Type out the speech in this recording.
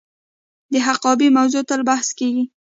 د حقابې موضوع تل بحث کیږي.